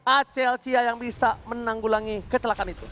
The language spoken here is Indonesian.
aclc yang bisa menanggulangi kecelakaan itu